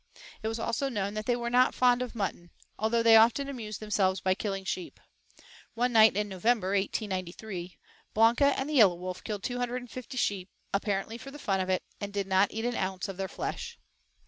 It was also known that they were not fond of mutton, although they often amused themselves by killing sheep. One night in November, 1893, Blanca and the yellow wolf killed two hundred and fifty sheep, apparently for the fun of it, and did not eat an ounce of their flesh.